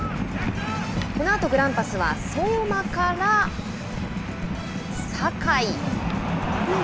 このあとグランパスは相馬から酒井。